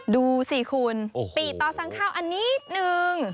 ดูสิคุณปี่ต่อสั่งข้าวอันนี้หนึ่ง